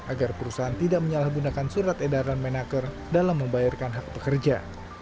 agar perusahaan tidak menyalahgunakan surat edaran menaker dalam membayarkan hak pekerja